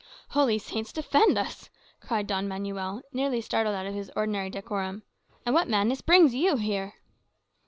"Holy Saints defend us!" cried Don Manuel, nearly startled out of his ordinary decorum. "And what madness brings you here?"